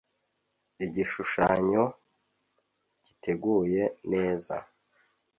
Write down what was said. igishushanyo giteguye neza